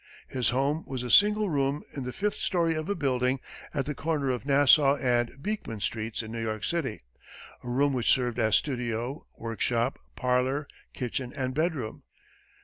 His home was a single room in the fifth story of a building at the corner of Nassau and Beekman streets in New York City a room which served as studio, workshop, parlor, kitchen and bedroom.